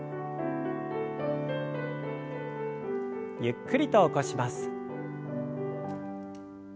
ゆっくりと起こします。